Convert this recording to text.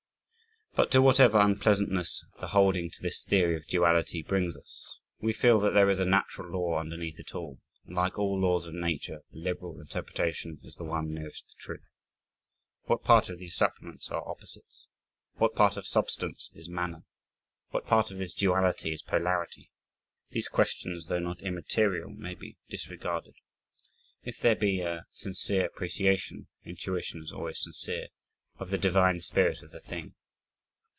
But to whatever unpleasantness the holding to this theory of duality brings us, we feel that there is a natural law underneath it all, and like all laws of nature, a liberal interpretation is the one nearest the truth. What part of these supplements are opposites? What part of substance is manner? What part of this duality is polarity? These questions though not immaterial may be disregarded, if there be a sincere appreciation (intuition is always sincere) of the "divine" spirit of the thing.